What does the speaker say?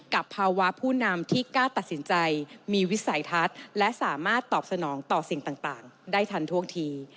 กับภาวะผู้นำที่กล้าตัดสินใจมีวิสัยทัศน์และสามารถตอบสนองต่อสิ่งต่างได้ทันท่วงที